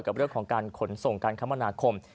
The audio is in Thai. กับเรื่องของการขนส่งการความอาชีพความละคม